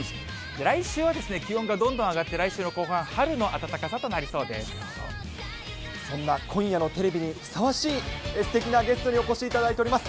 来週は気温がどんどん上がって、来週の後半、そんな今夜のテレビにふさわしい、すてきなゲストにお越しいただいております。